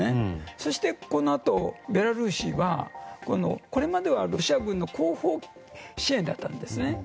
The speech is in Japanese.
そしてとベラルーシはこれまではロシア軍の後方支援だったんですね。